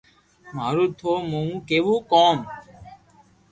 مارو ٿو مون ڪيوہ ڪوم